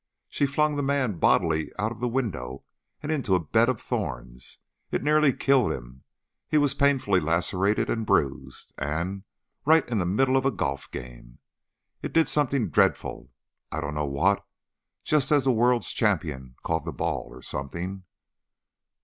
"She flung the man bodily out of the window and into a bed of thorns. It nearly killed him; he was painfully lacerated and bruised and Right in the middle of a golf game! It did something dreadful I don't know what just as the world's champion caught the ball, or something."